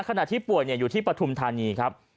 ขณะที่ป่วยอยู่ที่ปฐุมธานีครับ